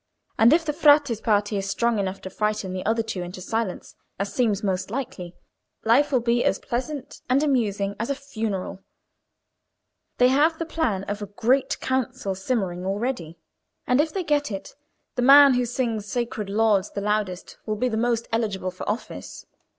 And if the Frate's party is strong enough to frighten the other two into silence, as seems most likely, life will be as pleasant and amusing as a funeral. They have the plan of a Great Council simmering already; and if they get it, the man who sings sacred Lauds the loudest will be the most eligible for office.